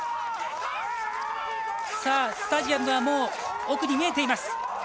スタジアムは奥に見えています。